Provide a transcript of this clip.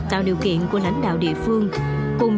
tạo điều kiện của lãnh đạo địa phương